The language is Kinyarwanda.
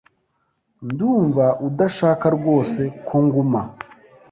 Ndumva udashaka rwose ko nguma.